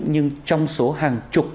nhưng trong số hàng chục